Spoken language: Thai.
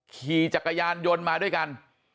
ขี่จักรยานยนต์มาด้วยกัน